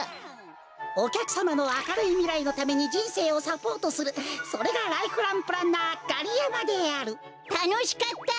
おきゃくさまのあかるいみらいのためにじんせいをサポートするそれがライフランプランナーガリヤマであるたのしかった！